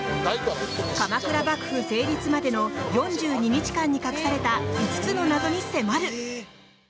鎌倉幕府成立までの４２日間に隠された５つの謎に迫る。